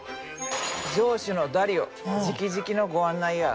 城主のダリオじきじきのご案内や。